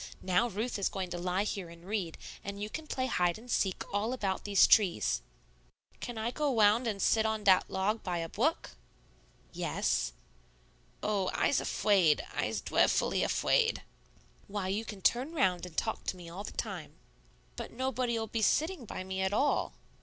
Now Ruth is going to lie here and read, and you can play hide and seek all about these trees." "Can I go wound and sit on dat log by a bwook?" "Yes." "Oh, I's afwaid. I's dweffully afwaid." "Why, you can turn round and talk to me all the time." "But nobody'll be sitting by me at all."